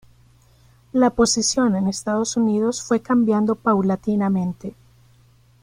La posición en Estados Unidos fue cambiando paulatinamente.